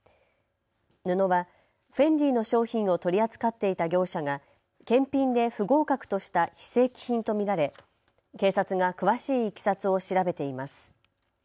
布はフェンディの商品を取り扱っていた業者が検品で不合格とした非正規品と見られ警察が詳しいいきさつを調べています。